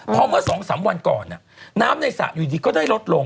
เพราะเมื่อ๒๓วันก่อนน้ำในสระอยู่ดีก็ได้ลดลง